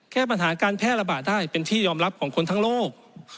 เหล่านิจนรกษเมนิตวิทยาลงทางโลก